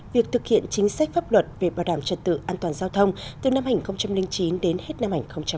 việc thực hiện chính sách pháp luật về bảo đảm trật tự an toàn giao thông từ năm hai nghìn chín đến hết năm hai nghìn một mươi chín